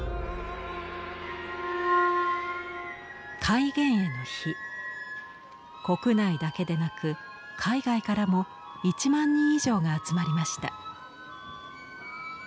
開眼会の日国内だけでなく海外からも１万人以上が集まりました。